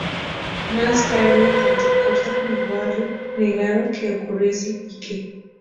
Más tarde, tanto Costa como Barry negaron que ocurriese el pique.